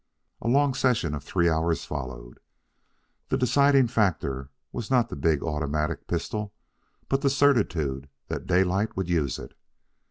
A long session of three hours followed. The deciding factor was not the big automatic pistol, but the certitude that Daylight would use it.